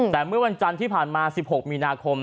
แต่เมื่อวันจันทร์ที่ผ่านมา๑๖มีนาคม